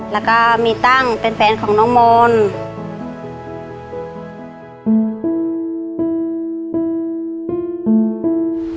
แล้วก็มีตั้งเป็นแฟนของน้องมนต์